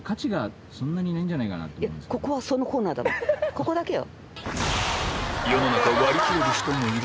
ここだけよ。